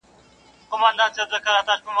پر پردي قوت چي وکړي حسابونه ..